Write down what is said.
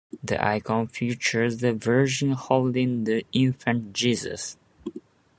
The icon features the Virgin holding the infant Jesus.